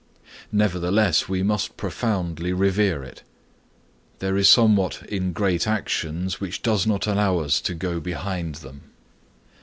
Nevertheless we must profoundly revere it. There is somewhat in great actions which does not allow us to go behind them.